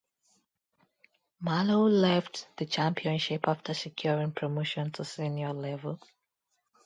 Mallow left the championship after securing promotion to senior level.